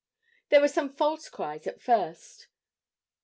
There were some false cries at first.